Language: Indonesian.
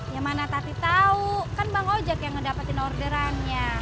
ya mana tati tahu kan bang ojak yang ngedapetin orderannya